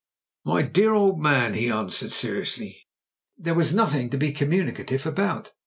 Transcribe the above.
"My dear old man," he answered, seriously, "there was nothing to be communicative about.